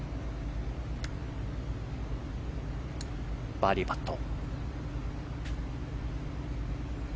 バーディーパット。